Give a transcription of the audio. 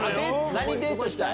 何デートしたい？